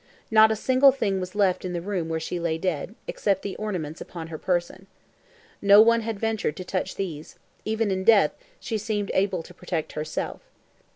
Not a single thing was left in the room where she lay dead, except the ornaments upon her person. No one had ventured to touch these; even in death she seemed able to protect herself.